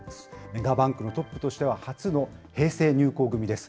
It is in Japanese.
メガバンクのトップとしては初の平成入行組です。